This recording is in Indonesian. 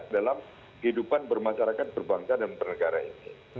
dalam kehidupan bermasyarakat berbangsa dan bernegara ini